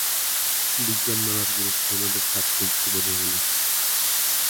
বিজ্ঞান মেলার গুরুত্ব আমাদের প্রাত্যহিক জিবনে অনেক।